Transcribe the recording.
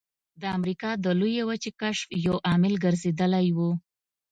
د امریکا د لویې وچې کشف یو عامل ګرځېدلی و.